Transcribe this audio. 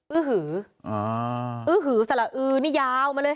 ื้อหืออื้อหือสละอือนี่ยาวมาเลย